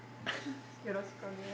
よろしくお願いします。